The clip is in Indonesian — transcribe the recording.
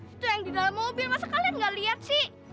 itu yang di dalam mobil masa kalian nggak lihat sih